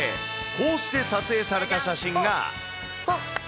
こうして撮影された写真が。